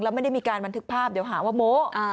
แล้วไม่ได้มีการบันทึกภาพเดี๋ยวหาว่าโม้